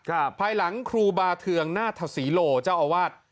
ครับภายหลังครูบาเทืองหน้าทศิโลเจ้าอาวาส